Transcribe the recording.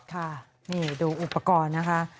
ค่ะนี่ดูอุปกรณ์นะคะ